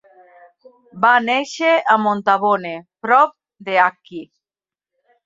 Va néixer a Montabone, prop de Acqui.